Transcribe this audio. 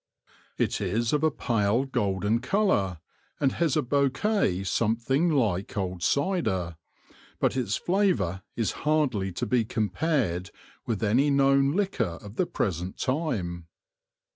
It is of a pale golden colour, and has a bouquet something like old cider ; but its flavour is hardly to be compared with any known liquor of the present time.